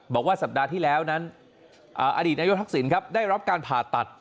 บอกว่าสัปดาห์ที่แล้วนั้นอดีตนายกทักษิณครับได้รับการผ่าตัด